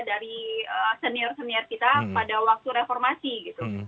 dari senior senior kita pada waktu reformasi gitu